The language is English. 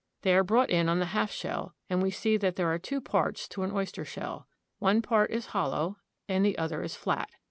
They are brought in on the half shell, and we see that there are two parts to an oyster shell. One part is hollow and the other is flat.